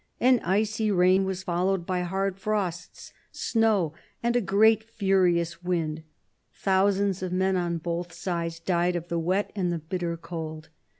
An icy rain was followed by hard frosts, snow, and " a great furious wind "; thousands of men, on both sides, died of the wet and the bitter cold.